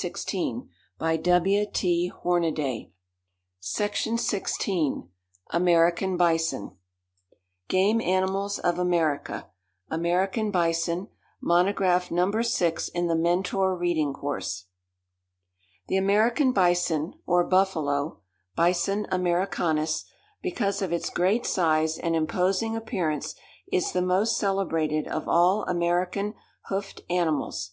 VOL. 4. No. 13. SERIAL No. 113 [Illustration: THE BISON LEADER] Game Animals of America AMERICAN BISON Monograph Number Six in The Mentor Reading Course The American bison or buffalo (Bison americanus) because of its great size and imposing appearance, is the most celebrated of all American hoofed animals.